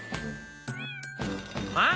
あっ！